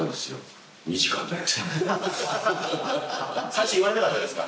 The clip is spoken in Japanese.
最初言われなかったんですか？